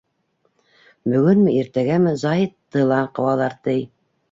Бөгөнмө, иртәгәме, Заһитты ла ҡыуалар, ти.